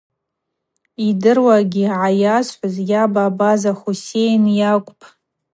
Йдыруагьи гӏайазхӏвыз йаба Абаза Хусейн йакӏвпӏ.